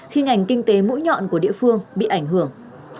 khi ngành kinh tế mũi nhọn của địa phương bị ảnh hưởng